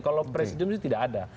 kalau presidium ini tidak ada